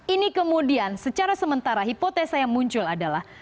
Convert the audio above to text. ini kemudian secara sementara hipotesa yang muncul adalah